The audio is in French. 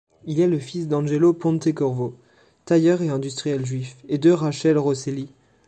Il est le fils d'Angelo Pontecorvo, tailleur et industriel juif, et de Rachele Rosselli.